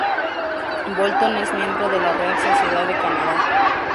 Bolton es miembro de la Real Sociedad de Canadá.